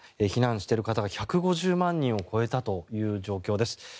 避難している方が１５０万人を超えたという状況です。